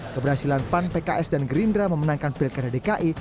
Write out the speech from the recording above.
keberhasilan pan pks dan gerindra memenangkan pilkada dki